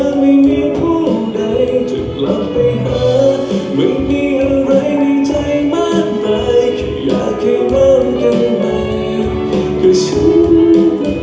ใกล้เธอใกล้เธอใกล้เธอใจเราอยากมาให้เดิน